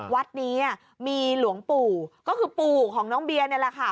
วัดนี้มีหลวงปู่ก็คือปู่ของน้องเบียนี่แหละค่ะ